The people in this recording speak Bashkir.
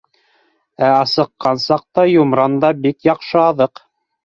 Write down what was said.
Ә асыҡҡан саҡта йомран да бик яҡшы аҙыҡ.